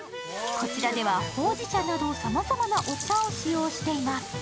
こちらではほうじ茶などさまざまなお茶を使用しています。